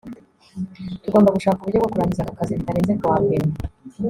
tugomba gushaka uburyo bwo kurangiza aka kazi bitarenze kuwa mbere